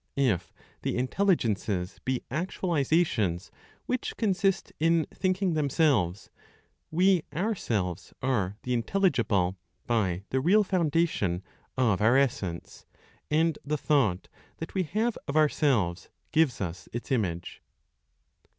If the intelligences be actualizations which consist in thinking themselves, we ourselves are the intelligible by the real foundation of our essence, and the thought that we have of ourselves gives us its image.